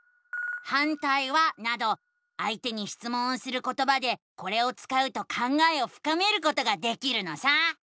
「反対は？」などあいてにしつもんをすることばでこれを使うと考えをふかめることができるのさ！